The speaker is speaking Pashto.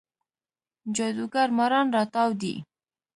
جادوګر ماران راتاو دی